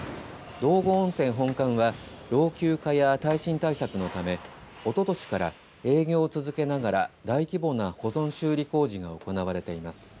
道後温泉本館は老朽化や耐震対策のためおととしから営業を続けながら大規模な保存修理工事が行われています。